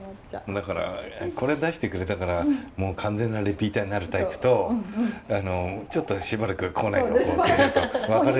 だからこれ出してくれたから完全なリピーターになるタイプとちょっとしばらく来ないでおこうっていう分かれる。